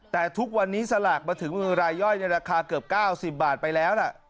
แต่ทุกวันนี้สลากมาถึงมือรายย่อยในราคาเกือบ๙๐บาทไปแล้วล่ะ